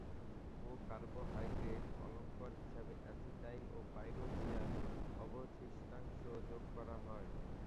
অ-কার্বহাইড্রেট অলঙ্করণ হিসেবে এসিটাইল ও পাইরুভিয়াল অবশিষ্টাংশ যোগ করা হয়।